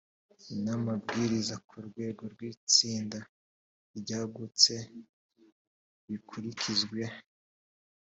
n’amabwiriza ku rwego rw’itsinda ryagutse bikurikizwe